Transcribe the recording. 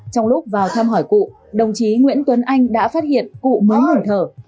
trong lúc vào thăm hỏi cụ đồng chí nguyễn tuấn anh đã phát hiện cụ mới ngừng thở